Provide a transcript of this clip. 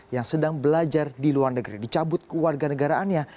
yang sedang belajar di luar negeri dicabut ke warga negaraannya